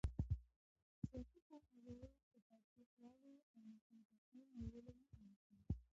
سیاسي پوهاوی د تاوتریخوالي او ناسم تصمیم نیولو مخه نیسي